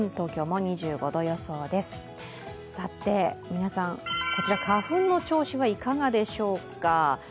皆さん、こちら、花粉の調子はいかがでしょうか？